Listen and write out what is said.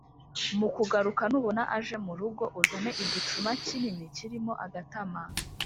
Mu kugaruka nubona aje mu rugo, uzane igicuma kinini kirimo agatama.